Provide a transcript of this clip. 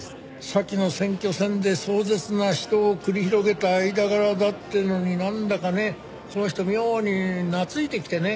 先の選挙戦で壮絶な死闘を繰り広げた間柄だっていうのになんだかねこの人妙に懐いてきてね。